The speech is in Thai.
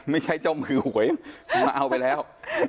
ไม่ใช่เจ้ามือหวยมาเอาไปแล้ว